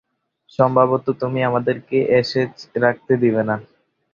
সম্ভবতঃ তুমি আমাদেরকে অ্যাশেজ রাখতে দিবে না।